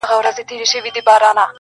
چي کله ستا د حسن په جلوه کي سره ناست و_